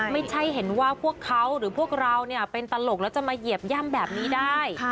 ไม่ใช่เห็นว่าพวกเขาหรือพวกเราเป็นตลกแล้วจะมาเหยียบย่ำแบบนี้ได้